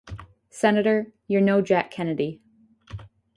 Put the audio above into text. Senator, you're no Jack Kennedy.